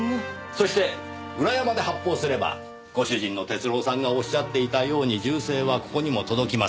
そして裏山で発砲すればご主人の鉄朗さんがおっしゃっていたように銃声はここにも届きます。